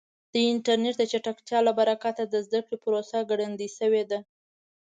د انټرنیټ د چټکتیا له برکته د زده کړې پروسه ګړندۍ شوې ده.